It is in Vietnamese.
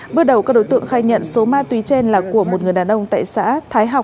bước đầu các đối tượng khai nhận số ma túy trên là của một người đàn ông tại xã thái học